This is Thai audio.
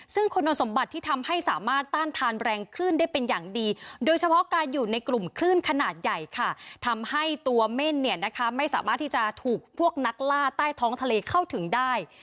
ซึ่งคุณสมบัติที่ทำให้สามารถต้านทานแรงคลื่นได้เป็นอย่างดีโดยเฉพาะการอยู่ในกลุ่มคลื่นขนาดใหญ่ค่ะทำให้ตัวเม่นเนี่ยนะคะไม่สามารถที่จะถูกพวกนักล่าใต้ท้องทะเลเข้าถึงได้